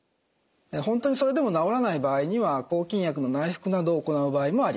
本当にそれでも治らない場合には抗菌薬の内服などを行う場合もあります。